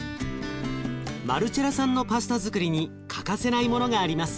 マルチェラさんのパスタづくりに欠かせないものがあります。